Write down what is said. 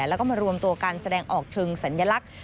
แล้วก็มารวมตัวการแสดงออกเชิงสัญลักษณ์